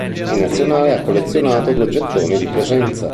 In Nazionale ha collezionato due gettoni di presenza.